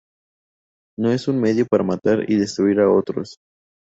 No es un medio para matar y destruir a otros.